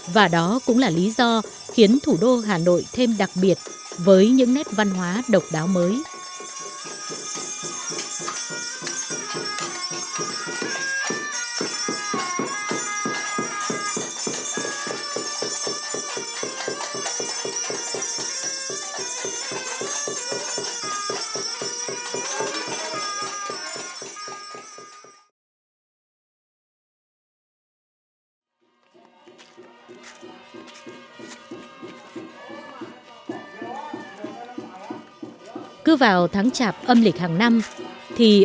và đó cũng là lý do khiến thủ đô hà nội thêm đặc biệt với những nét văn hóa độc đáo mới